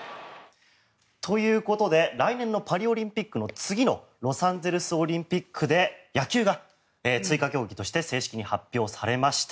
ということで来年のパリオリンピックの次のロサンゼルスオリンピックで野球が追加競技として正式に発表されました。